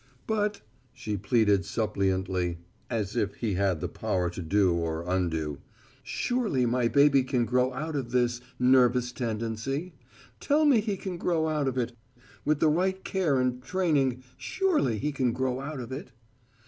"But," she pleaded suppliantly, as if he had the power to do or undo, "surely my baby can grow out of this nervous tendency. Tell me he can grow out of it. With the right care and training, surely he can grow out of it."